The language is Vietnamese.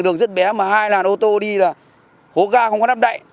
đường rất bé mà hai làn ô tô đi là hố ga không có nắp đậy